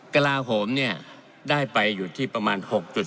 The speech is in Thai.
กระลาโหมเนี่ยได้ไปอยู่ที่ประมาณ๖๔